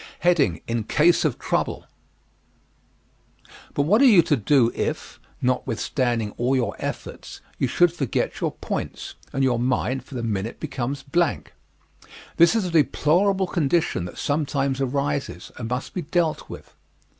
In Case of Trouble But what are you to do if, notwithstanding all your efforts, you should forget your points, and your mind, for the minute, becomes blank? This is a deplorable condition that sometimes arises and must be dealt with.